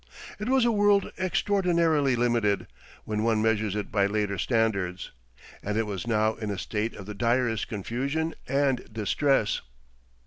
It was a world extraordinarily limited when one measures it by later standards, and it was now in a state of the direst confusion and distress.